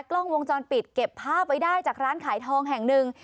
กล้องวงจรปิดเก็บภาพไว้ได้จากร้านขายทองแห่งหนึ่ง